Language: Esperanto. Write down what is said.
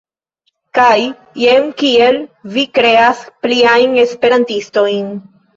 Kaj jen kiel vi kreas pliajn esperantistojn.